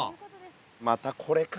またこれか。